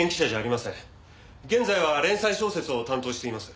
現在は連載小説を担当しています。